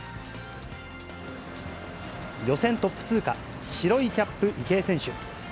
予選トップ通過、白いキャップ、池江選手。